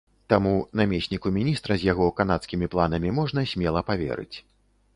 Таму намесніку міністра з яго канадскімі планамі можна смела паверыць.